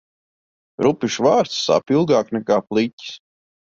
Rupjš vārds sāp ilgāk nekā pliķis.